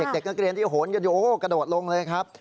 เด็กนักเรียนที่โหนกันอยู่โอ้กระโดดลงเลยครับ